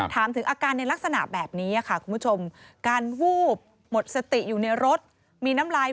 ถามถึงอาการในลักษณะแบบนี้ค่ะคุณผู้ชม